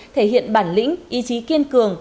thể hiện bản lĩnh ý chí kiên cường